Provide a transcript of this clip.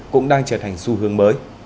cũng đang trở thành xu hướng mới